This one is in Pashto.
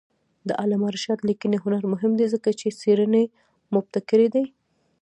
د علامه رشاد لیکنی هنر مهم دی ځکه چې څېړنې مبتکرې دي.